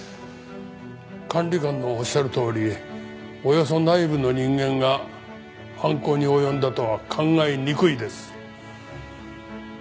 管理官のおっしゃるとおりおよそ内部の人間が犯行に及んだとは考えにくいです。